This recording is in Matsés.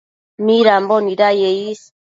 midambo nidaye is